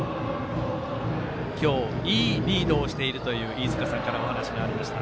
今日いいリードをしているという飯塚さんからお話がありました